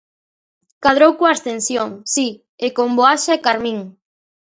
Cadrou coa Ascensión, si, e con Voaxa e Carmín.